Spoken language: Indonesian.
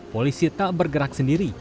polisi tak bergerak sendiri